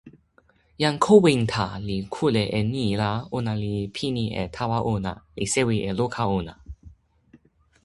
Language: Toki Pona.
jan Kowinta li kute e ni la ona li pini e tawa ona, li sewi e luka ona.